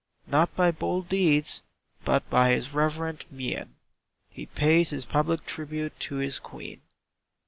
Not by bold deeds, but by his reverent mien, He pays his public tribute to his Queen.